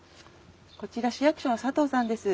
こちら市役所の佐藤さんです。